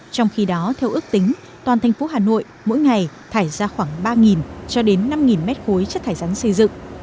trong khi đó theo ước tính toàn thành phố hà nội mỗi ngày thải ra khoảng ba cho đến năm mét khối chất thải rắn xây dựng